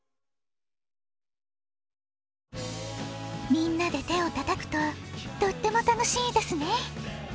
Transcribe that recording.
みんなでてをたたくととってもたのしいですね。